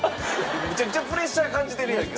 むちゃくちゃプレッシャー感じてるやんか。